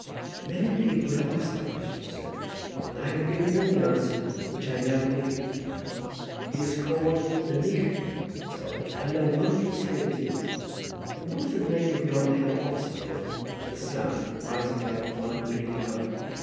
"Many people have asked that question, sir, and I have given them the answer which I now give you. It is called the 'Knicht,' sir; and a wondrous hill it is." "And what is the name of yonder hill opposite to it, to the south, rising like one big lump?"